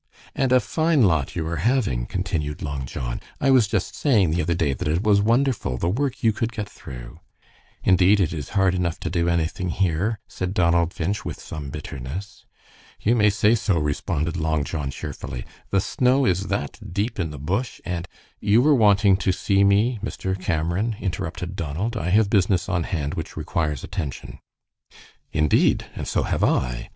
"And a fine lot you are having," continued Long John. "I was just saying the other day that it was wonderful the work you could get through." "Indeed, it is hard enough to do anything here," said Donald Finch, with some bitterness. "You may say so," responded Long John, cheerfully. "The snow is that deep in the bush, and " "You were wanting to see me, Mr. Cameron," interrupted Donald. "I have a business on hand which requires attention." "Indeed, and so have I.